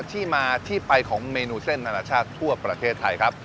ที่มาที่ไปของเมนูเส้นนานาชาติทั่วประเทศไทยครับ